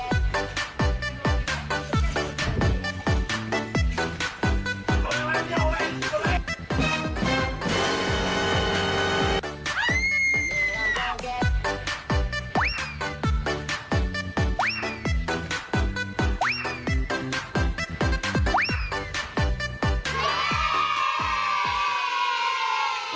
ไฟเล่นกูภัย